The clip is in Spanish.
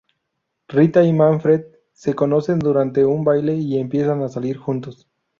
Rita y Manfred se conocen durante un baile y empiezan a salir juntos.